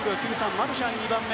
マルシャンが２番目。